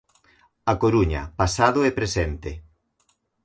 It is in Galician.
'A Coruña, pasado e presente'.